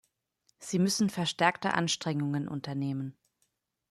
Sie müssen verstärkte Anstrengungen unternehmen.